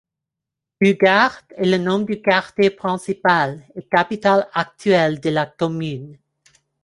Ugarte est le nom du quartier principal et capitale actuelle de la commune.